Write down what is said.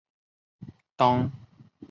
当时奥克兰市只有大约六千人口。